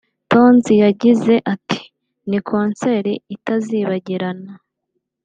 Tonzi yagize ati “Ni concert itazibagirana